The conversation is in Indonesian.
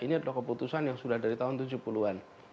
ini adalah keputusan yang sudah dari tahun tujuh puluh an